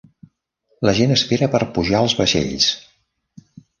La gent espera per pujar als vaixells.